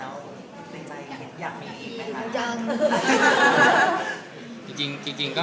มีเงินบางคนแล้วในใจเห็นยังมีไหมคะ